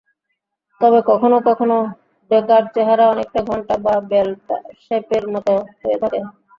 তবে কখনো কখনও ডেটার চেহারা অনেকটা ঘন্টা বা বেল শেপের মত হয়ে থাকে।